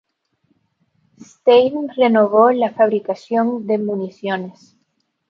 Stane renovó la fabricación de municiones.